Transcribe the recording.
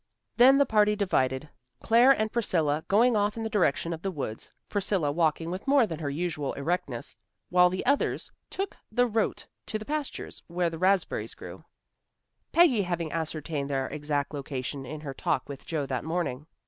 Then the party divided, Claire and Priscilla going off in the direction of the woods Priscilla walking with more than her usual erectness while the others took the route to the pastures where the raspberries grew, Peggy having ascertained their exact location in her talk with Joe that morning.